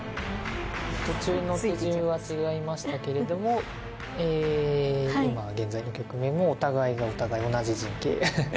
途中の手順は違いましたけども、今現在の局面も、お互いがお互い同じ陣形。